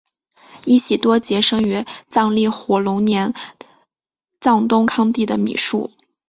依喜多杰生于藏历火龙年藏东康地的米述。